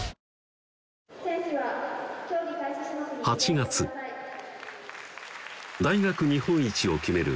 ８月大学日本一を決める